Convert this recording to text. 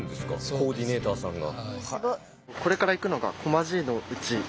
コーディネーターさんが。